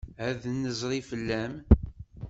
Ad d-nezri fell-am.